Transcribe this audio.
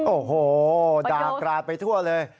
โอ้โหด่ากราดไปทั่วเลย